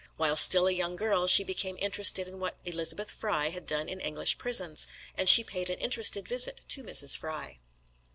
While still a young girl she became interested in what Elizabeth Fry had done in English prisons, and she paid an interested visit to Mrs. Fry.